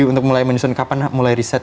untuk mulai menyusun kapan mulai riset